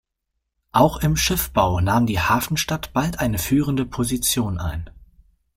Auch im Schiffbau nahm die Hafenstadt bald eine führende Position ein.